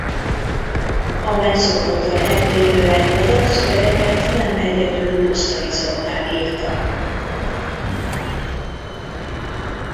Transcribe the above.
A megszokottól eltérően a dalszövegeket nem egyedül Pusztai Zoltán írta.